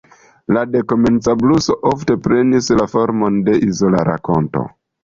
La dekomenca bluso ofte prenis la formon de izola rakonto.